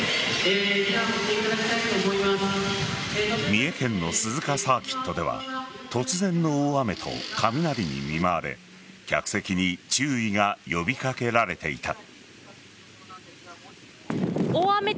三重県の鈴鹿サーキットでは突然の大雨と雷に見舞われ客席に注意が呼び掛けられていた。